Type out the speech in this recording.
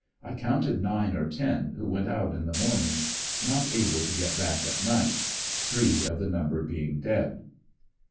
I counted nine or ten who went out in the morning not able to get back at night ; three of the number being dead.